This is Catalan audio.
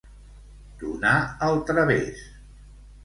Donar al través.